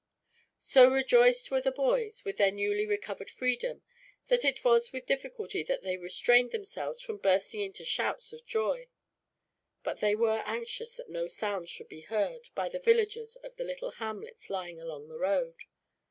So rejoiced were the boys, with their newly recovered freedom, that it was with difficulty they restrained themselves from bursting into shouts of joy. But they were anxious that no sounds should be heard, by the villagers of the little hamlets lying along the road.